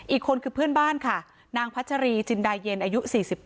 อีกคนคือเพื่อนบ้านค่ะนางพัชรีจินดาเย็นอายุ๔๘